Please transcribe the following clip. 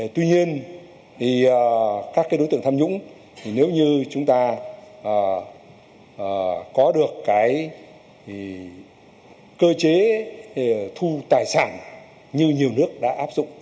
tuy nhiên thì các đối tượng tham nhũng nếu như chúng ta có được cơ chế thu tài sản như nhiều nước đã áp dụng